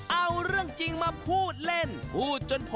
เอาเรื่องจริงมาพูดเล่น